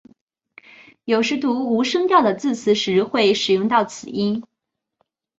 有时读无声调的字词时会使用到此音。